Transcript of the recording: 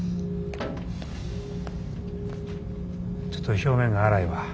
ちょっと表面が粗いわ。